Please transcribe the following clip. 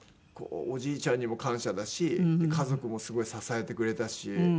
おじいちゃんにも感謝だし家族もすごい支えてくれたし。